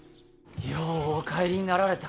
ようお帰りになられた。